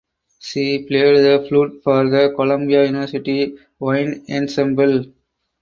She played the flute for the Columbia University Wind Ensemble.